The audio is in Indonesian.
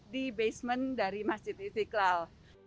di basement dari masjid istiqlal